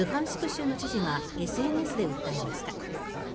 州の知事がＳＮＳで訴えました。